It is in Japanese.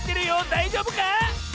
だいじょうぶか？